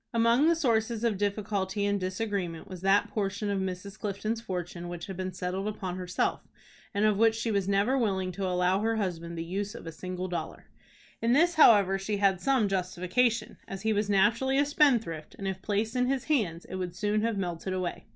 Among the sources of difficulty and disagreement was that portion of Mrs. Clifton's fortune which had been settled upon herself, and of which she was never willing to allow her husband the use of a single dollar. In this, however, she had some justification, as he was naturally a spendthrift, and, if placed in his hands, it would soon have melted away.